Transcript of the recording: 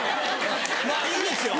まぁいいですよ